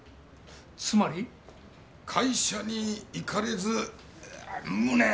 つまり？会社に行かれず無念！